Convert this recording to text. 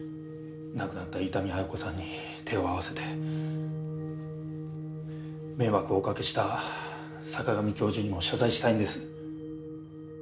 亡くなった伊丹綾子さんに手を合わせて迷惑をおかけした坂上教授にも謝罪したいんです。